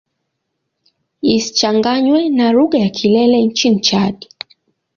Isichanganywe na lugha ya Kilele nchini Chad.